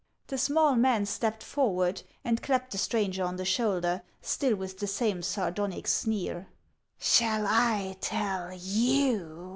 The small man stepped forward and clapped the stranger on the shoulder, still with the same sardonic sneer. " Shall I tell you